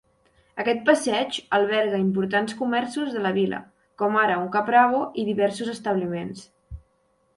Aquest passeig alberga importants comerços de la vila, com ara un Caprabo i diversos establiments.